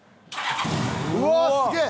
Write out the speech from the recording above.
うわっすげえ！